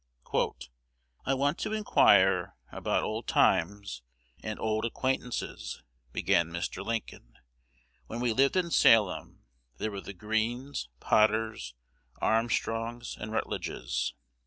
"'I want to inquire about old times and old acquaintances,' began Mr. Lincoln. 'When we lived in Salem, there were the Greenes, Potters, Armstrongs, and Rutledges.